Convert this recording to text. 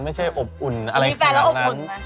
ไม่ใช่อบอุ่นอะไรขนาดนั้นมีแฟนแล้วอบอุ่นไหม